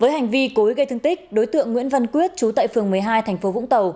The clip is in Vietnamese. với hành vi cối gây thương tích đối tượng nguyễn văn quyết chú tại phường một mươi hai thành phố vũng tàu